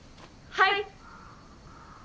はい！